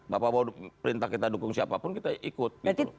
bapak mau perintah kita dukung siapapun kita ikut gitu loh